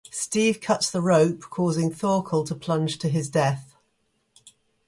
Steve cuts the rope, causing Thorkel to plunge to his death.